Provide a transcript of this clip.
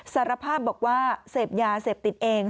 สารภาพบอกว่าเสพยาเสพติดเอง